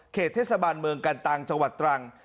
เทศบาลเมืองกันตังจังหวัดตรัง